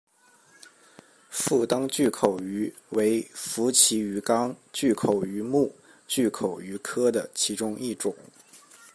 腹灯巨口鱼为辐鳍鱼纲巨口鱼目巨口鱼科的其中一种。